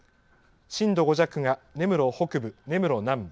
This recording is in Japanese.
震度５弱が、根室北部、根室南部。